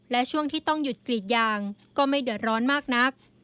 และช่วงที่ต้องหยุดกรีดยางก็ไม่เดือดร้อนมากนัก